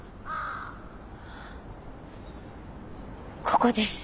ここです。